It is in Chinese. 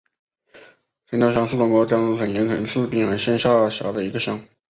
陈涛乡是中国江苏省盐城市滨海县下辖的一个乡。